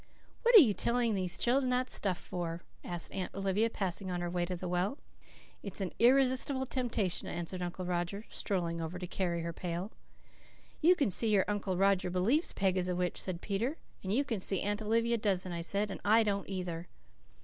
"What are you telling those children such stuff for?" asked Aunt Olivia, passing on her way to the well. "It's an irresistible temptation," answered Uncle Roger, strolling over to carry her pail. "You can see your Uncle Roger believes Peg is a witch," said Peter. "And you can see Aunt Olivia doesn't," I said, "and I don't either."